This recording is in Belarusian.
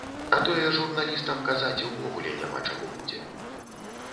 А тое журналістам казаць увогуле няма чаго будзе.